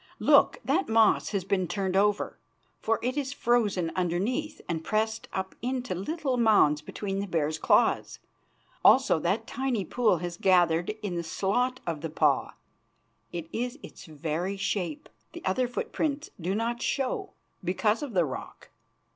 Look, that moss has been turned over; for it is frozen underneath and pressed up into little mounds between the bear's claws. Also that tiny pool has gathered in the slot of the paw; it is its very shape. The other footprints do not show because of the rock."